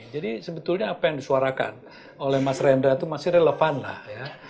jadi sebetulnya apa yang disuarakan oleh mas rendra itu masih relevan lah ya